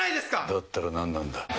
だったら何なんだ。